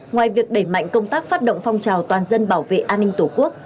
ngoài việc đẩy mạnh công tác phát động phong trào toàn dân bảo vệ an ninh tổ quốc